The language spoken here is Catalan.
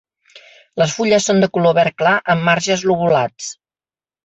Les fulles són de color verd clar amb marges lobulats.